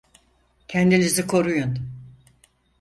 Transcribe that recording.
Kendinizi koruyun!